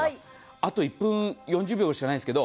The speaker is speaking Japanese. あと１分４０秒しかないですけど